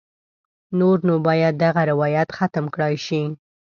نور نو باید دغه روایت ختم کړای شي.